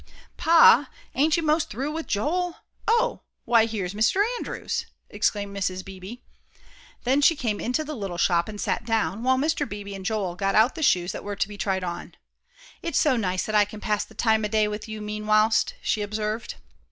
"Pa, ain't you most through with Joel? Oh, why, here's Mr. Andrews!" exclaimed Mrs. Beebe. Then she came into the little shop and sat down, while Mr. Beebe and Joel got out the shoes that were to be tried on. "It's so nice that I can pass the time o' day with you, meanwhilst," she observed.